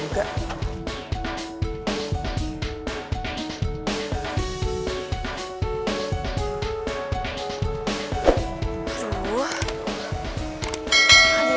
tidak ada yang bisa ngasih